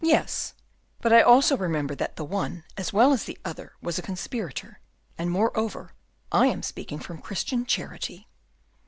"Yes, but I also remember that the one, as well as the other, was a conspirator. And, moreover, I am speaking from Christian charity."